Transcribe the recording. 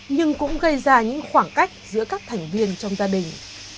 nhưng cũng gây ra những khoảng cách giữa các thành viên trong gia đình